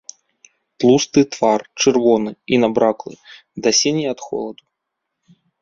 Тлусты твар чырвоны і набраклы да сіні ад холаду.